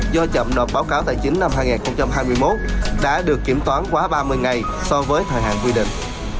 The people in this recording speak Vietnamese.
do chậm nộp báo cáo tài chính năm hai nghìn hai mươi một đã được kiểm toán quá ba mươi ngày so với thời hạn quy định